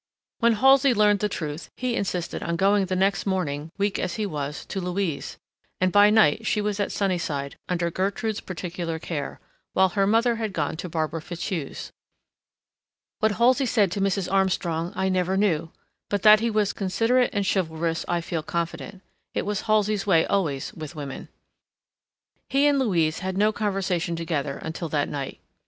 When Halsey learned the truth, he insisted on going the next morning, weak as he was, to Louise, and by night she was at Sunnyside, under Gertrude's particular care, while her mother had gone to Barbara Fitzhugh's. What Halsey said to Mrs. Armstrong I never knew, but that he was considerate and chivalrous I feel confident. It was Halsey's way always with women. He and Louise had no conversation together until that night.